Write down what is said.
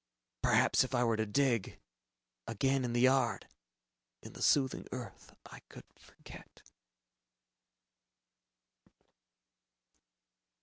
Perhaps if I were to dig ... again in the yard ... in the soothing earth, I could forget....